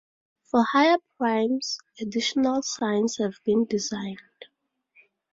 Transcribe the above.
For higher primes, additional signs have been designed.